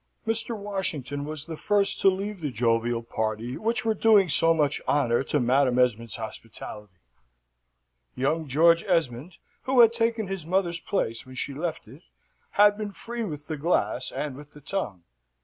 Mr. Washington was the first to leave the jovial party which were doing so much honour to Madam Esmond's hospitality. Young George Esmond, who had taken his mother's place when she left it, had been free with the glass and with the tongue.